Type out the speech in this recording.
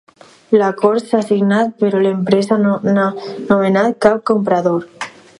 L'acord s'ha signat però l'empresa no ha nomenat cap comprador.